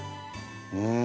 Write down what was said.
うん。